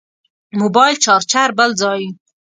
موبایل چارچر بل ځای.